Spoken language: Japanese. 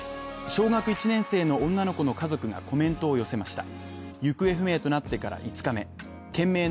小学１年生の女の子の家族がコメントを寄せました。